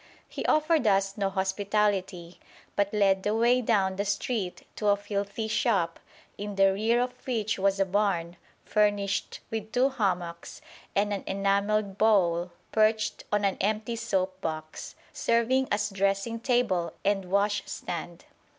He offered us no hospitality but led the way down the street to a filthy shop, in the rear of which was a barn, furnished with two hammocks and an enamelled bowl perched on an empty soap box, serving as dressing table and washstand.